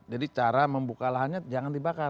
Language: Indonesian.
jadi cara membuka lahannya jangan terbakar